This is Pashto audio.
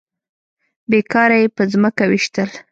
بې کاره يې په ځمکه ويشتل.